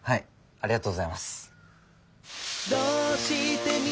ありがとうございます。